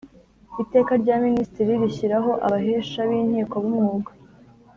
Iteka rya Minisitiri rishyiraho Abahesha b’ Inkiko b Umwuga